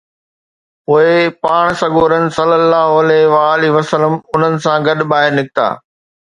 پوءِ پاڻ سڳورن صلي الله عليه وآله وسلم انهن سان گڏ ٻاهر نڪتا